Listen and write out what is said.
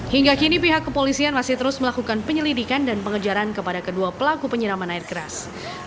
hingga kini pihak kepolisian masih terus melakukan penyelidikan dan pengejaran kepada kedua pelaku penyiraman air keras